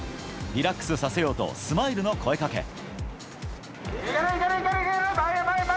リラックスさせようとスマイルの声かけ。